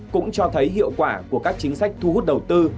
cũng cho thấy hiệu quả của các chính sách thu hút đầu tư